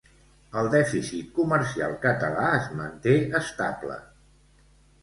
El dèficit comercial català es manté estable.